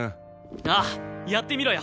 ああやってみろよ！